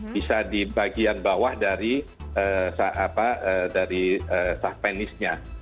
bisa di bagian bawah dari sah penisnya